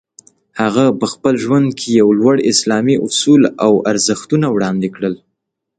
هغه په خپل ژوند کې یو لوړ اسلامي اصول او ارزښتونه وړاندې کړل.